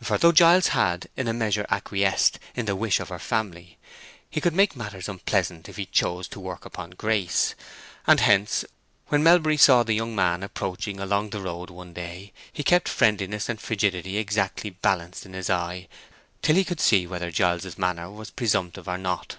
For though Giles had in a measure acquiesced in the wish of her family, he could make matters unpleasant if he chose to work upon Grace; and hence, when Melbury saw the young man approaching along the road one day, he kept friendliness and frigidity exactly balanced in his eye till he could see whether Giles's manner was presumptive or not.